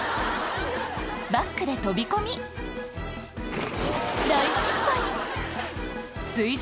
バックで飛び込み大失敗水上